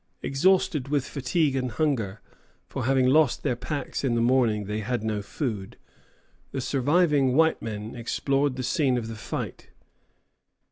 Exhausted with fatigue and hunger, for, having lost their packs in the morning, they had no food, the surviving white men explored the scene of the fight.